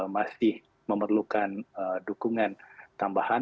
masih memerlukan dukungan tambahan